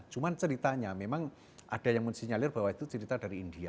cuma ceritanya memang ada yang mensinyalir bahwa itu cerita dari india